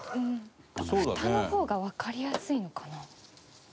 ふたの方がわかりやすいのかな。